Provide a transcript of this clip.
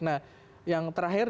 nah yang terakhir